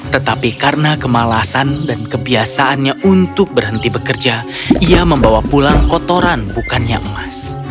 tetapi karena kemalasan dan kebiasaannya untuk berhenti bekerja ia membawa pulang kotoran bukannya emas